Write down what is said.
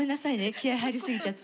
気合い入り過ぎちゃって。